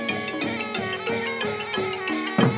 อ่าอ่าอ่า